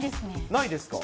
ないですか？